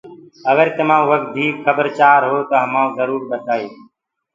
اگر تمآنٚ ڪوُ وڌيٚڪ کبر چآر هوئي تو جرور ٻتآيو